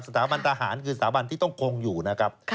สถาบันทหารคือสถาบันที่ต้องคงอยู่นะครับ